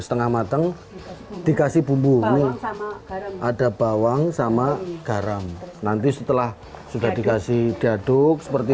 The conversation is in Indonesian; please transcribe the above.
setengah mateng dikasih bumbu ada bawang sama garam nanti setelah sudah dikasih diaduk seperti